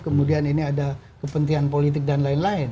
kemudian ini ada kepentingan politik dan lain lain